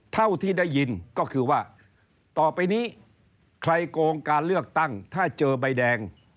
เท่าที่ได้ยินก็คือว่าต่อไปนี้ใครโกงการเลือกตั้งถ้าเจอใบแดง